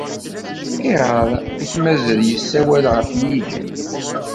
Ayɣer ay t-mazal yessawal ɣef yigen?